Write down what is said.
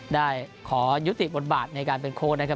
ได้ขอยุติบทบาทในการเป็นโค้ดนะครับ